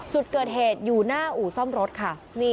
จุดเกิดเหตุอยู่หน้าอู่ซ่อมรถค่ะ